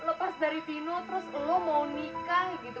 lepas dari vino terus lu mau nikah gitu